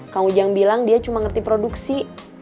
kang ujang bilang dia cuma ngerti produksi